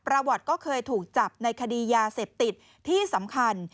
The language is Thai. ประวัติก็เคยถูกจับในคดียาเสพติดที่สำคัญ